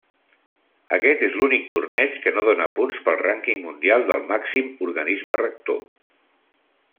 Aquest és l'únic torneig que no dóna punts pel rànquing mundial del màxim organisme rector.